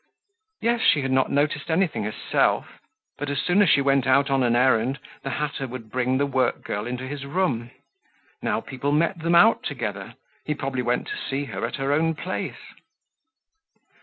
Yes, she had not noticed anything herself; but as soon as she went out on an errand, the hatter would bring the workgirl into his room. Now people met them out together; he probably went to see her at her own place.